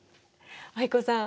藍子さん